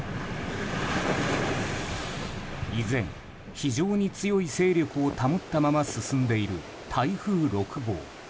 依然、非常に強い勢力を保ったまま進んでいる台風６号。